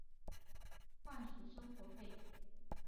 他只能选择将他的运动天赋用来娱乐人们而换取生活费。